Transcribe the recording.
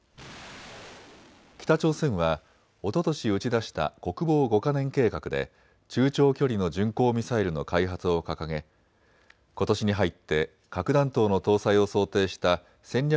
北朝鮮はおととし打ち出した国防５か年計画で中長距離の巡航ミサイルの開発を掲げことしに入って核弾頭の搭載を想定した戦略